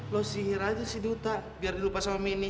lo sihir aja si duta biar dilupa sama mini